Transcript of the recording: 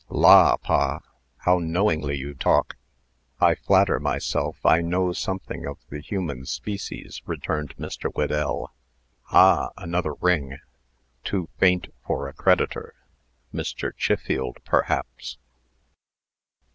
"La, pa! how knowingly you talk!" "I flatter myself I know something of the human species," returned Mr. Whedell. "Ah! another ring. Too faint for a creditor. Mr. Chiffield, perhaps."